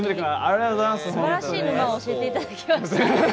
すばらしい沼を教えていただきました。